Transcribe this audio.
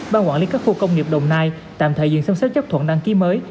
ban quản lý các khu công nghiệp đồng nai tạm thời dừng xâm xét chấp thuận đăng ký mới